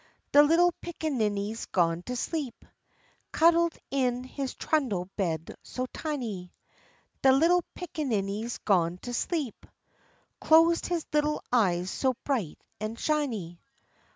De little pickaninny's gone to sleep, Cuddled in his trundle bed so tiny, De little pickaninny's gone to sleep, Closed his little eyes so bright an' shiny.